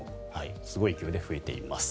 すごい勢いで増えています。